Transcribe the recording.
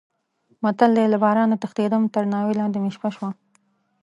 متل دی: له بارانه تښتېدم تر ناوې لانې مې شپه شوه.